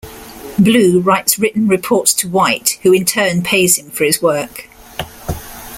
Blue writes written reports to White who in turn pays him for his work.